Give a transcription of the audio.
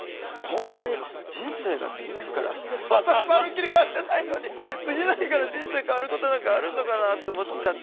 こんなに人生が次の日から私まるっきり変わってないのに次の日から人生変わることなんかあるのかなと思っちゃって。